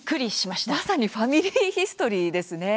まさにファミリーヒストリーですね。